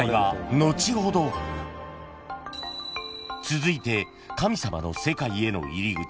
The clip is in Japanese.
［続いて神様の世界への入り口